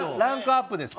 ランクアップです。